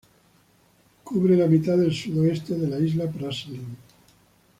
Cubre la mitad del sudoeste de la isla Praslin.